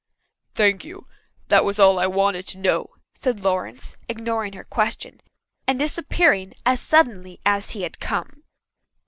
"Thank you. That was all I wanted to know," said Lawrence, ignoring her question, and disappearing as suddenly as he had come.